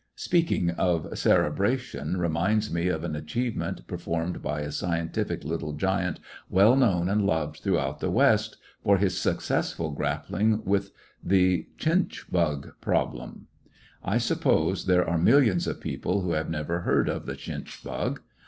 Speaking of cerebration reminds me of an Thechinck^ug achievement performed by a scientific little giant well known and loved throughout the West for his successful grappling with the chinch bug problem. I suppose there are millions of people who have never heard of the chinch bug.